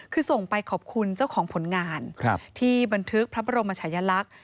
คือส่งไปขอบคุณเจ้าของผลงานที่บันทึกพระบรมชายลักษณ์